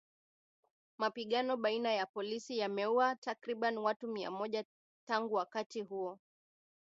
Mapigano baina ya polisi yameuwa takriban watu mia moja tangu wakati huo